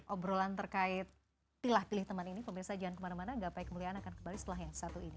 obrolan terkait pilah pilih teman ini pemirsa jangan kemana mana gapai kemuliaan akan kembali setelah yang satu ini